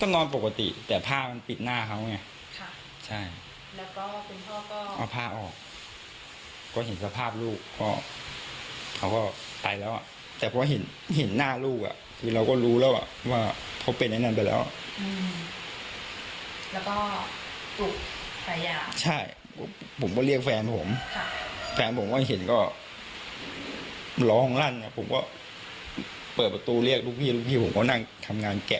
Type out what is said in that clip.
แล้วก็เปิดประตูเรียกลูกพี่และลูกพี่จังงง้ายถึงทำงานแกะ